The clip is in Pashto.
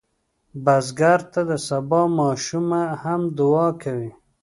بزګر ته د سبا ماشومه هم دعا کوي